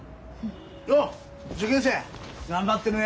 よっ受験生頑張ってるね！